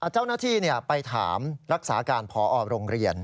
เจ้าหน้าที่ไปถามรักษาการพอโรงเรียน